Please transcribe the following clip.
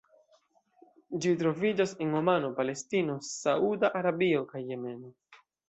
Ĝi troviĝas en Omano, Palestino, Sauda Arabio kaj Jemeno.